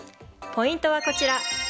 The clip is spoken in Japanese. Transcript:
ポイントはこちら。